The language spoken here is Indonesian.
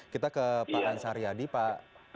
kita ke pak ansar yadi pak